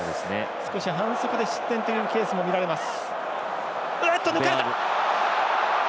少し反則で失点というケースも見られます。